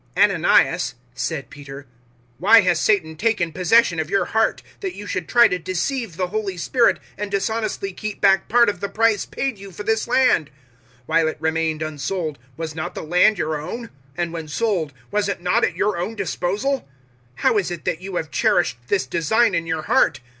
005:003 "Ananias," said Peter, "why has Satan taken possession of your heart, that you should try to deceive the Holy Spirit and dishonestly keep back part of the price paid you for this land? 005:004 While it remained unsold, was not the land your own? And when sold, was it not at your own disposal? How is it that you have cherished this design in your heart?